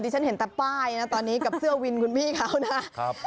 ฉันเห็นแต่ป้ายนะตอนนี้กับเสื้อวินคุณพี่เขานะครับ